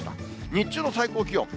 日中の最高気温。